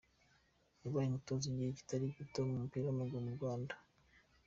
Yabaye umutoza igihe kitari gito mu mupira w’amaguru mu Rwanda.